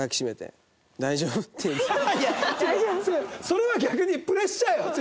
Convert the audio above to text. それは逆にプレッシャーよ剛さん。